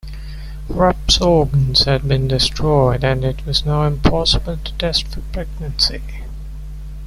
Rappe's organs had been destroyed and it was now impossible to test for pregnancy.